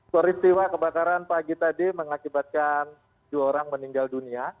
peristiwa kebakaran pagi tadi mengakibatkan dua orang meninggal dunia